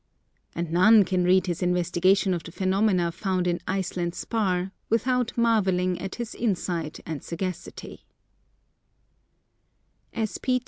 And none can read his investigation of the phenomena found in Iceland spar without marvelling at his insight and sagacity.